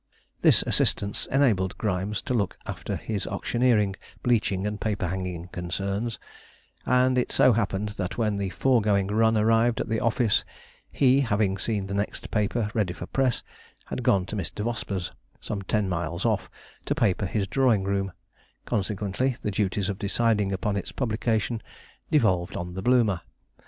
This assistance enabled Grimes to look after his auctioneering, bleaching, and paper hanging concerns, and it so happened that when the foregoing run arrived at the office he, having seen the next paper ready for press, had gone to Mr. Vosper's, some ten miles off, to paper his drawing room, consequently the duties of deciding upon its publication devolved on the Bloomer.